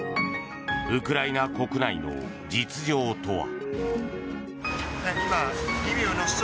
ウクライナ国内の実情とは。